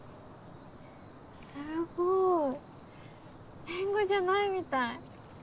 すごいりんごじゃないみたい